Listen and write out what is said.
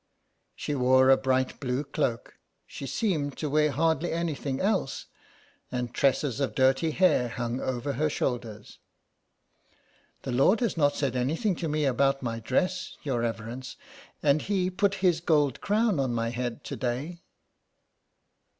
She wore a bright blue cloak, she seemed to wear hardly anything else, and tresses of dirty hair hung over her shoulders. '' The Lord has not said anything to me about my dress, your reverence, and He put His gold crown on my head to day."